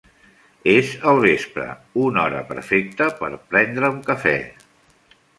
És el vespre, una hora perfecta per prendre un cafè.